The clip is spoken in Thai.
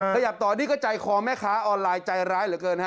ขยับต่อนี่ก็ใจคอแม่ค้าออนไลน์ใจร้ายเหลือเกินฮะ